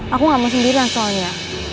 aku gak mau sendirian soalnya